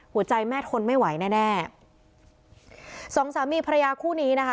หัวใจแม่ทนไม่ไหวแน่แน่สองสามีภรรยาคู่นี้นะคะ